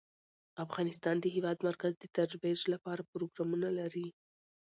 افغانستان د د هېواد مرکز د ترویج لپاره پروګرامونه لري.